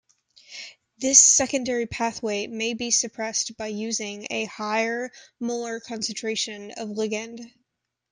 This secondary pathway may be suppressed by using a higher molar concentration of ligand.